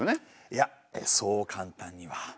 いやそう簡単には。